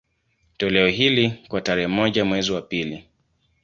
Toleo hili, kwa tarehe moja mwezi wa pili